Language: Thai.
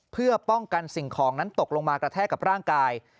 เพื่อป้องกันสิ่งของนั้นตกลงมากระแทกกับร่างกาย